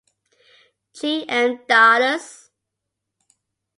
J. M. Dallas.